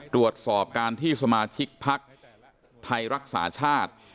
ตรวจสอบการที่สมาชิกพักไทยรักษาชาติ